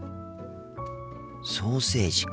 ソーセージか。